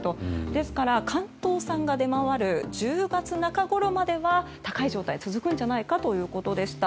ですから関東産が出回る１０月中頃までは高い状態が続くんじゃないかということでした。